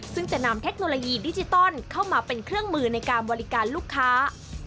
ซึ่งจะนำเทคโนโลยีดิจิตอลเข้ามาเป็นเครื่องมือในการบริการลูกค้า